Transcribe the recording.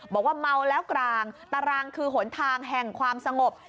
บอกว่าเมาแล้วกลางตารางคือหนทางแห่งความสงบ